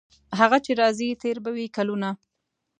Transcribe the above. هغه چې راځي تیر به وي کلونه.